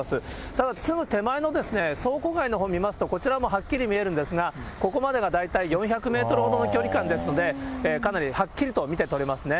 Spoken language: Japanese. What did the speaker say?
ただすぐ手前の倉庫街のほう見ますと、こちらもはっきり見えるんですが、ここまでが大体４００メートルほどの距離感ですので、かなりはっきりと見て取れますね。